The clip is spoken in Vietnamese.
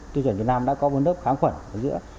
tiêu chuẩn việt nam đã có một lớp kháng khuẩn ở giữa